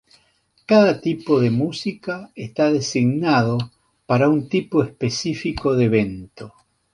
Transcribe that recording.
Cada tipo de música está designado para un tipo específico de evento.